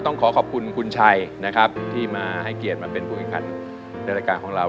ต้องขอขอบคุณคุณชัยนะครับที่มาให้เกียรติมาเป็นผู้แข่งขันในรายการของเรา